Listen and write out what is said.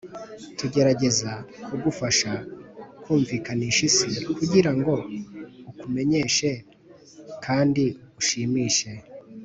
tugerageza kugufasha kumvikanisha isi, kugirango ukumenyeshe kandi ushimishe,